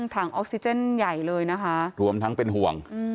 ถังออกซิเจนใหญ่เลยนะคะรวมทั้งเป็นห่วง